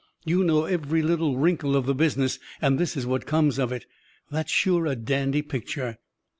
You know every little wrinkle of the business, and this is what comes of it. That's sure a dandy picture."